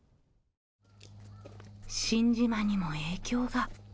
新島にも影響が。